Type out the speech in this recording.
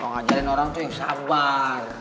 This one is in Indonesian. mau ngajarin orang tuh yang sabar